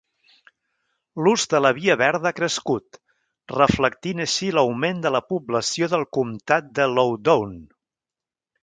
L'ús de la via verda ha crescut, reflectint així l'augment de la població del comtat de Loudoun.